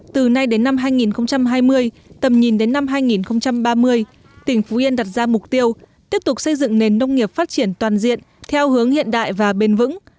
từ nay đến năm hai nghìn hai mươi tầm nhìn đến năm hai nghìn ba mươi tỉnh phú yên đặt ra mục tiêu tiếp tục xây dựng nền nông nghiệp phát triển toàn diện theo hướng hiện đại và bền vững